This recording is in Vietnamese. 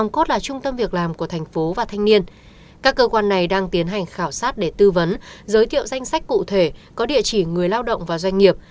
các cơ quan này đang tiến hành khảo sát để tư vấn giới thiệu danh sách cụ thể có địa chỉ người lao động và doanh nghiệp